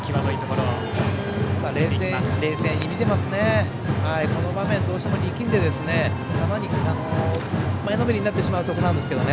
この場面、どうしても力んで前のめりになってしまうところなんですけど。